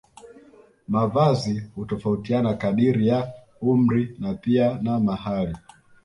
Mavazi hutofautiana kadiri ya umri na pia na mahali